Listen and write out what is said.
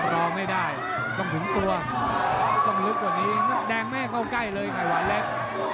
รอไม่ได้ต้องถึงตัวต้องลึกกว่านี้แดงแม่เข้าใกล้เลยไข่หวานเล็ก